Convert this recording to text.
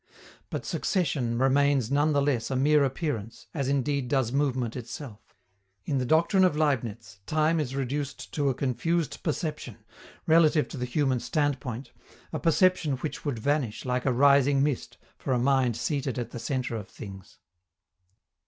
But succession remains none the less a mere appearance, as indeed does movement itself. In the doctrine of Leibniz, time is reduced to a confused perception, relative to the human standpoint, a perception which would vanish, like a rising mist, for a mind seated at the centre of things.